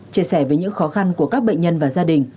chia sẻ với những khó khăn của các bệnh nhân và gia đình